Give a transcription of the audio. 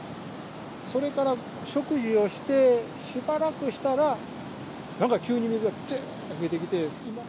それから食事をして、しばらくしたら、なんか急に水がどーんと増えてきて。